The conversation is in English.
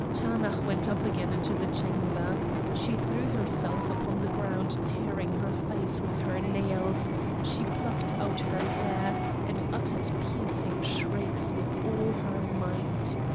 Taanach went up again into the chamber. She threw herself upon the ground tearing her face with her nails; she plucked out her hair, and uttered piercing shrieks with all her might.